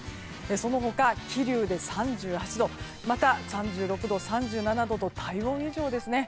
その他、桐生で３８度また３６度、３７度と体温以上ですね。